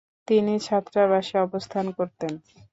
তিনি ছাত্রাবাসে অবস্থান করতেন।